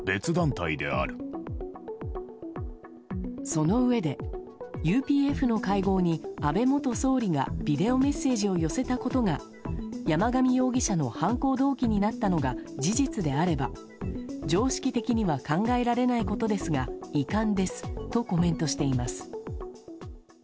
そのうえでＵＰＦの会合に安倍元総理がビデオメッセージを寄せたことが山上容疑者の犯行動機になったのが事実であれば常識的には考えられないことですが遺憾ですとコメントしています。